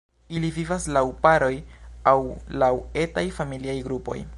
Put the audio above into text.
Ili vivas laŭ paroj aŭ laŭ etaj familiaj grupoj.